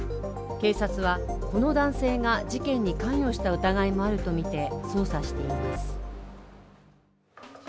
警察は、この男性が事件に関与した疑いもあるとみて、捜査しています